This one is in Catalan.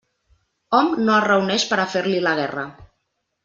Hom no es reuneix per a fer-li la guerra.